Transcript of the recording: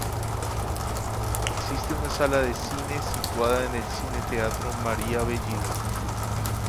Existe una sala de cine, situada en el Cine-Teatro María Bellido.